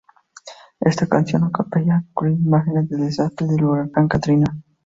Esta canción "acapella" incluía imágenes del desastre del huracán Katrina.